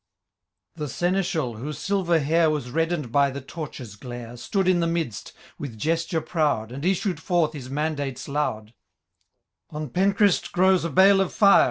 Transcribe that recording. The Seneschal, whose silver hair Was reddened by the torches' glare. Stood in the midst, with gesture proud, And issued forth his mandates loud :—" On Penchryst glows a bale* of fire.